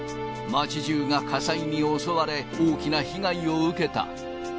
街じゅうが火災に襲われ大きな被害を受けた。